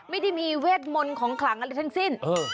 ไม่ได้มีเวทมนต์ของขลังอะไรทั้งสิ้น